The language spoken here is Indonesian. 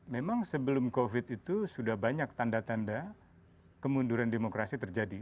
memang sebelum covid itu sudah banyak tanda tanda kemunduran demokrasi terjadi